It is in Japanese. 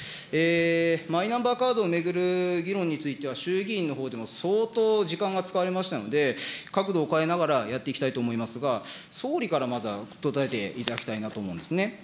マイナンバーカードを巡る議論については、衆議院のほうでも相当時間が使われましたので、角度を変えながら、やっていきたいと思いますが、総理からまずは答えていただきたいなと思うんですね。